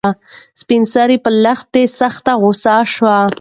سپین سرې په لښتې سخته غوسه شوه.